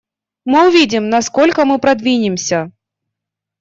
Мы увидим, насколько мы продвинемся.